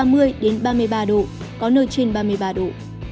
nhiệt độ cao nhất từ hai mươi ba mươi ba độ có nơi trên ba mươi ba độ